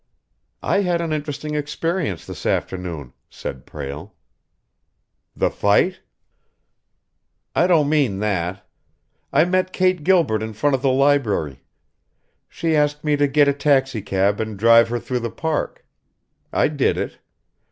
"I had an interesting experience this afternoon," said Prale. "The fight?" "I don't mean that. I met Kate Gilbert in front of the library. She asked me to get a taxicab and drive her through the Park. I did it.